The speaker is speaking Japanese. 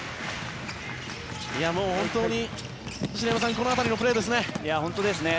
もう本当に篠山さんこの辺りのプレーですね。